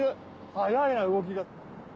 速いな動きが。